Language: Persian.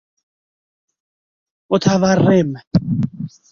متورم